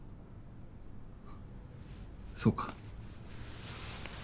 そうか。